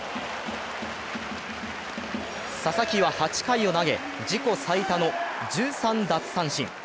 佐々木は８回を投げ、自己最多の１３奪三振。